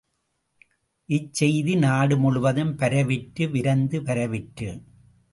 இச் செய்தி நாடு முழுவதும் பரவிற்று விரைந்து பரவிற்று.